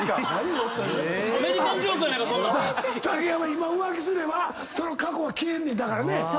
今浮気すればその過去は消えんねん。